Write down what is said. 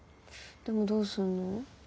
でもどうすんの？